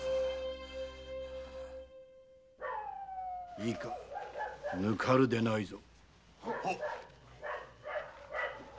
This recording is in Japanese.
いいか抜かるでないぞ。